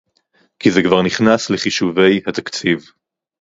כי זה כבר נכנס לחישובי התקציב